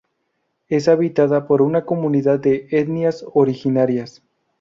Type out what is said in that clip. Es habitada por una comunidad de etnias originarias.